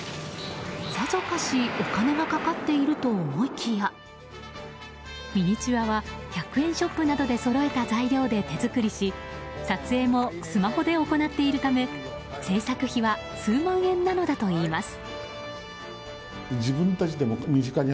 さぞかしお金がかかっていると思いきやミニチュアは１００円ショップなどでそろえた材料で手作りし撮影もスマホで行っているため制作費は数万円なのだといいます。